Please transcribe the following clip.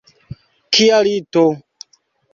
Kia lito!